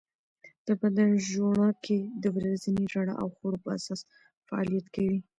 د بدن ژوڼکې د ورځني رڼا او خوړو په اساس فعالیت کوي.